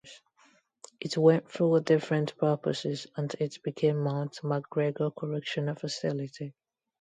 It went through different purposes until it became Mount McGregor Correctional Facility.